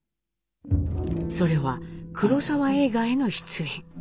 それは黒澤映画への出演。